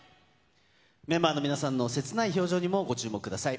メンバーの皆さんのせつない表情にも、ご注目ください。